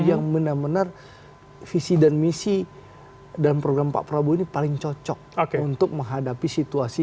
yang benar benar visi dan misi dalam program pak prabowo ini paling cocok untuk menghadapi situasi